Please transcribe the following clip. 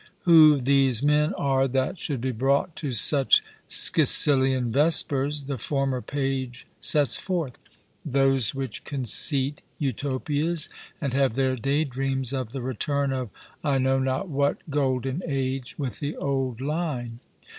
Who these men are that should be brought to such Scicilian vespers, the former page sets forth—those which conceit Utopias, and have their day dreams of the return of I know not what golden age, with the old line.